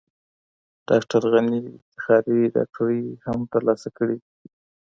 ډاکټر غني افتخاري ډاکټرۍ هم ترلاسه کړې دي.